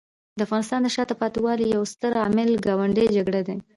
د افغانستان د شاته پاتې والي یو ستر عامل ګاونډي جګړې دي.